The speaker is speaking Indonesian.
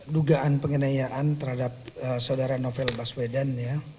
dugaan pengenayaan terhadap saudara novel baswedan ya